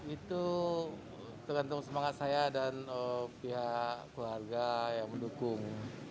itu tergantung semangat saya dan pihak keluarga yang mendukung